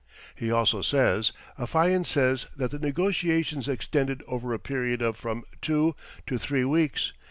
He also says: "Affiant says that the negotiations extended over a period of from two to three weeks